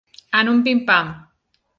En un pim-pam.